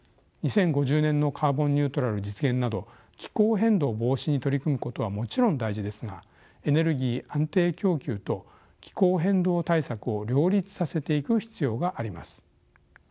２０５０年のカーボンニュートラル実現など気候変動防止に取り組むことはもちろん大事ですがエネルギー安定供給と気候変動対策を両立させていく必要があります。